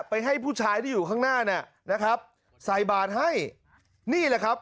ให้ผู้ชายที่อยู่ข้างหน้าเนี่ยนะครับใส่บาทให้นี่แหละครับ